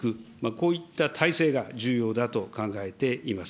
こういった体制が重要だと考えています。